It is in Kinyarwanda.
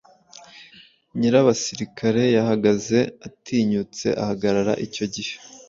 Nyirabasirikare yahagaze atinyutse ahagarara icyo gihe